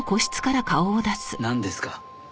なんですか？